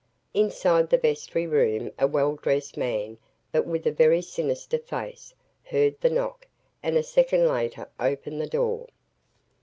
Inside the vestry room a well dressed man but with a very sinister face heard the knock and a second later opened the door.